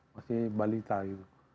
masih balita gitu